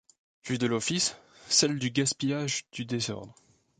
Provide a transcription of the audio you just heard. Vue de l’Office, celles du gaspillage du désordre.